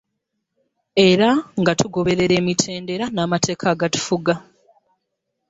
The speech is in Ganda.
Era nga tugoberera emitendera n'amateeka agatufuga.